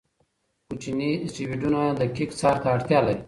کوچني اسټروېډونه دقیق څار ته اړتیا لري.